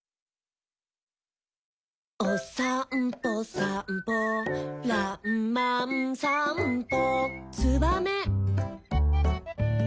「おさんぽさんぽらんまんさんぽ」